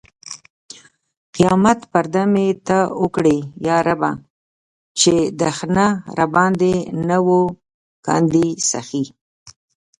قیامت پرده مې ته اوکړې یا ربه! چې دښنه راباندې نه و کاندي سخې